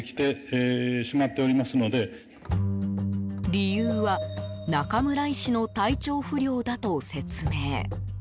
理由は中村医師の体調不良だと説明。